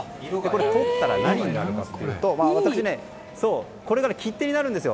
撮ったら、何になるかというとこれが切手になるんです。